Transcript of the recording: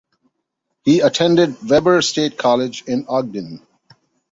He attended Weber State College in Ogden.